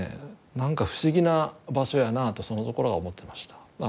何か不思議な場所やなとそのころは思ってました。